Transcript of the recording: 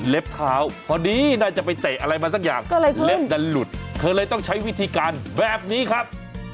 เท้าพอดีน่าจะไปเตะอะไรมาสักอย่างเล็บดันหลุดเธอเลยต้องใช้วิธีการแบบนี้ครับ